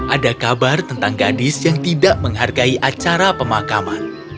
ada kabar tentang gadis yang tidak menghargai acara pemakaman